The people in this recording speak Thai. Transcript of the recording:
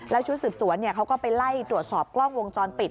แล้วชุดสืบสวนเขาก็ไปไล่ตรวจสอบกล้องวงจรปิด